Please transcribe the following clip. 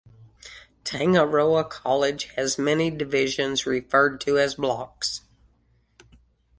Tangaroa College has many divisions, referred to as blocks.